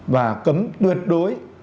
và cấm tuyệt đối